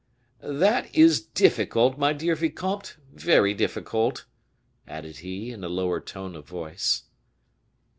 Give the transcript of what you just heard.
"That is difficult, my dear vicomte, very difficult," added he, in a lower tone of voice.